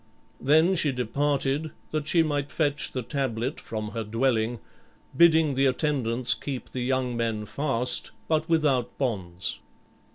Then she departed, that she might fetch the tablet from her dwelling, bidding the attendants keep the young men fast, but without bonds.